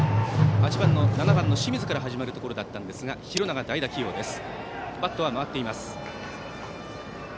７番の清水から始まるところだったんですが廣長、代打起用です。